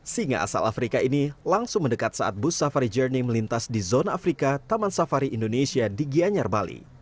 singa asal afrika ini langsung mendekat saat bus safari journey melintas di zona afrika taman safari indonesia di gianyar bali